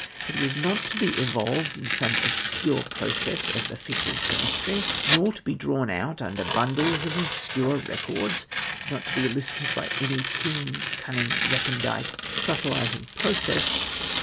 It was not to be evolved in some obscure process of official che mistry, not to be drawn out under bundles of obscure records, not to be elicited by any keen, cunning, recondite, subtilising process!